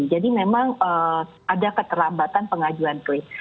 jadi memang ada keterlambatan pengajuan krim